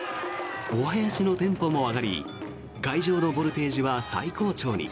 おはやしのテンポも上がり会場のボルテージは最高潮に。